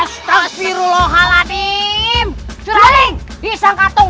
selasi selasi bangun